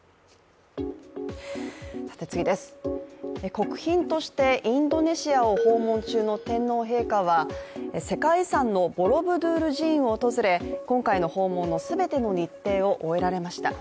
国賓としてインドネシアを訪問中の天皇陛下は世界遺産のボロブドゥール寺院を訪れ、今回の訪問の全ての日程を終えられました。